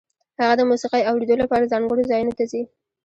هغه د موسیقۍ اورېدو لپاره ځانګړو ځایونو ته ځي